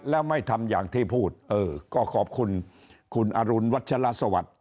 แล้วไม่ทำอย่างที่พูดเออก็ขอบคุณคุณอรุณวัชลสวัสดิ์